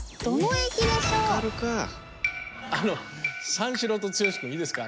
三四郎と剛君いいですか。